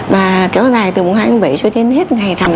và kéo dài từ mùng hai tháng bảy cho đến hết ngày rằm